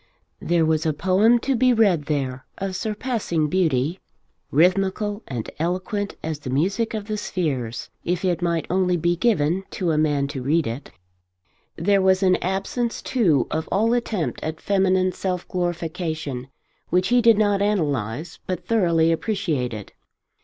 There was a poem to be read there of surpassing beauty, rhythmical and eloquent as the music of the spheres, if it might only be given to a man to read it. There was an absence, too, of all attempt at feminine self glorification which he did not analyse but thoroughly appreciated.